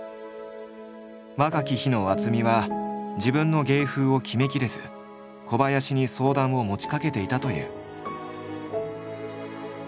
若き日の渥美は自分の芸風を決めきれず小林に相談を持ちかけていたという。